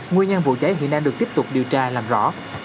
nguyên nhân vụ cháy hiện đang được tiếp tục điều tra làm rõ